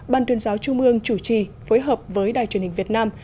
ban tuyên giáo trung mương chủ trì phối hợp với đài truyền hình việt nam